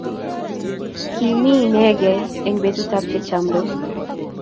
Ki mi inegei eng betut ab chechamdos